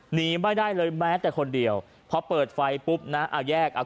หนีไม่ได้เลยแม้แต่คนเดียวพอเปิดไฟปุ๊บนะเอาแยกเอา